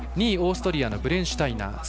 ２位、オーストリアのブレンシュタイナー。